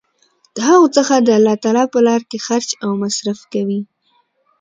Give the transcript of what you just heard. د هغو څخه د الله تعالی په لاره کي خرچ او مصر ف کوي